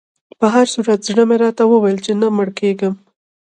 په هر صورت زړه مې راته ویل چې نه مړ کېدم.